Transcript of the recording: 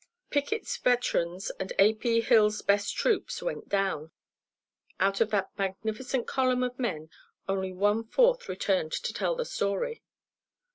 Pickett's veterans and A. P. Hill's best troops went down. Out of that magnificent column of men, only one fourth returned to tell the story.